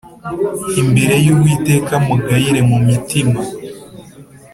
Imbere y uwiteka amugayira mu mutima